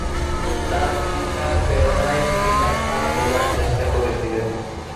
তার পিতার প্রেরণায় তিনি ডাক্তার হবার চেষ্টা করেছিলেন।